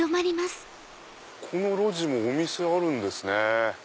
この路地もお店あるんですね。